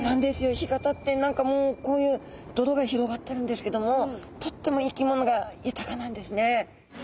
干潟って何かもうこういう泥が広がってるんですけどもとっても生き物が豊かなんですね。